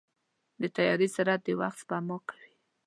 د طیارې سرعت د وخت سپما کوي.